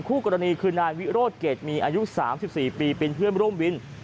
คู่กรณีคือนายวิโรธเกรดมีอายุ๓๔ปีเป็นเพื่อนร่วมวิน